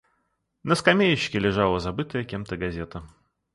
На скамеечке лежала забытая кем-то газета.